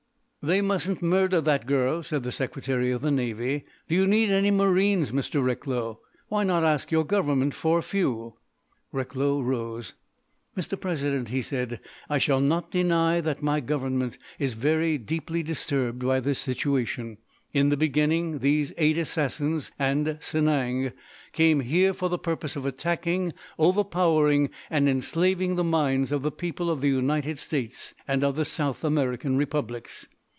"They mustn't murder that girl," said the Secretary of the Navy. "Do you need any Marines, Mr. Recklow? Why not ask your Government for a few?" Recklow rose: "Mr. President," he said, "I shall not deny that my Government is very deeply disturbed by this situation. In the beginning, these eight Assassins, and Sanang, came here for the purpose of attacking, overpowering, and enslaving the minds of the people of the United States and of the South American Republics.